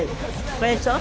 これそう？